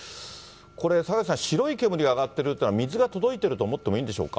これ、坂口さん、白い煙が上がっているというのは、水が届いていると思っていいんでしょうか。